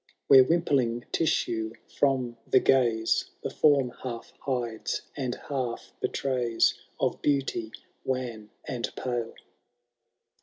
Where wimpling tissue from the gaze The form half hides, and half betrays. Of beauty wan and pale.